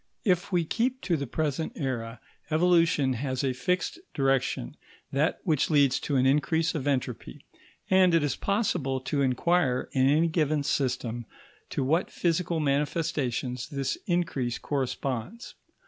If we keep to the present era, evolution has a fixed direction that which leads to an increase of entropy; and it is possible to enquire, in any given system to what physical manifestations this increase corresponds.